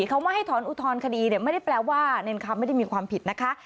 คำว่าให้ถอนอุทธรณคดีเนี่ยไม่ได้แปลว่าเนรคำไม่ได้มีความผิดนะคะ